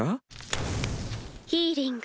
ヒーリング。